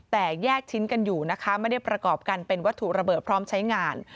แต่แยกชิ้นกันอยู่นะคะไม่ได้ประกอบกันเป็นวัตถุระเบิดพร้อมใช้งาน